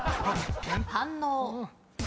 反応。